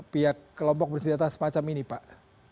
pihak kelompok bersenjata semacam ini pak